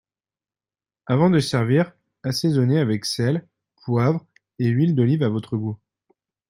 Avant de servir, assaisonner avec sel, poivre et huile d’olive à votre goût